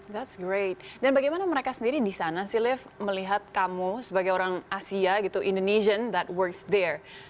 bagus sekali dan bagaimana mereka sendiri di sana sih liv melihat kamu sebagai orang asia gitu orang indonesia yang bekerja di sana